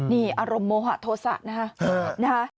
นี่อารมณ์มหัวโทษะนะครับ